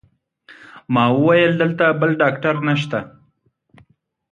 ما وویل: دلته بل ډاکټر نشته؟